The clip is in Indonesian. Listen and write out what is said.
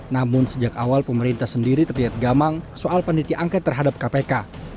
namun sejak awal pemerintah sendiri terlihat gamang soal panitia angket terhadap kpk